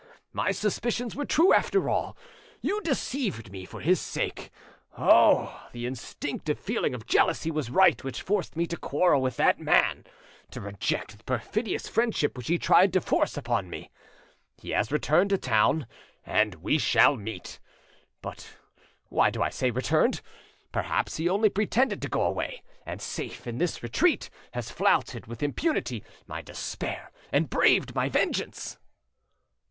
My suspicions were true after all: you deceived me for his sake. Oh! the instinctive feeling of jealousy was right which forced me to quarrel with that man, to reject the perfidious friendship which he tried to force upon me. He has returned to town, and we shall meet! But why do I say 'returned'? Perhaps he only pretended to go away, and safe in this retreat has flouted with impunity, my despair and braved my vengeance!"